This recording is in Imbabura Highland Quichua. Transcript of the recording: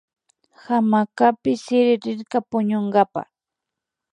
Hamacapi sirirka puñunkapa